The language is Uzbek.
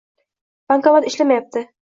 Bankomat ishlamayapti